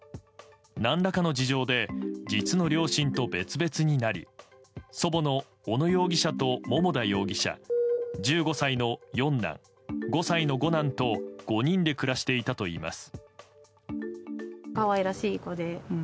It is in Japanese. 何らかの事情で実の両親と別々になり祖母の小野容疑者と桃田容疑者１５歳の四男、５歳の五男と５人で暮らしていたといいます。